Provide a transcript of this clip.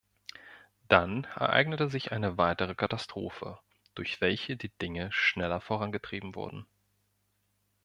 Dann ereignete sich eine weitere Katastrophe, durch welche die Dinge schneller vorangetrieben wurden.